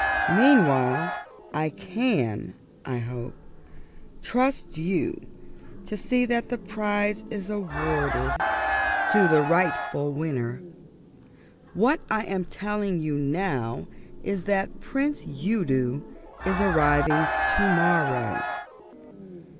Meanwhile I can, I hope, trust you to see that the prize is awarded to the rightful winner. What I am telling you now is that the Prince Udo is arriving to morrow."